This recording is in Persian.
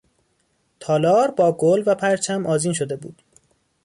تالار با گل و پرچم آذین شده بود.